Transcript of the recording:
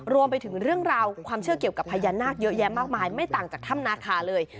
รวมไปถึงเรื่องราวความเชื่อเกี่ยวกับพญานาคเยอะแยะมากมายไม่ต่างจากถ้ำนาคาเลย